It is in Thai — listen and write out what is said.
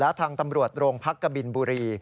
และทางตำรวจโรงพักกบินบุรี